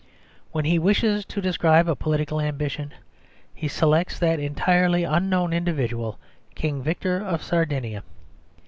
When he wishes to describe a political ambition he selects that entirely unknown individual, King Victor of Sardinia.